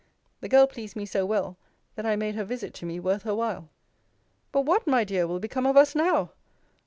The girl pleased me so well, that I made her visit to me worth her while. But what, my dear, will become of us now?